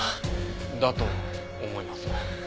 だと思います。